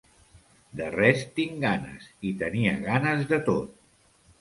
De res tinc ganes, i tenia ganes de tot.